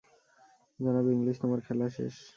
জনাব ইংলিশ, তোমার খেলা শেষ!